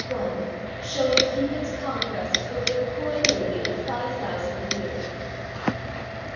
SHOWING CUPIDâS CONQUEST OVER A COY LADY OF FIVE THOUSAND A YEAR.